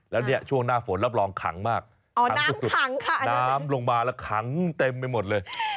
แล้วเนี่ยช่วงหน้าฝนรับรองขังมากขังสุดขังค่ะน้ำลงมาแล้วขังเต็มไปหมดเลย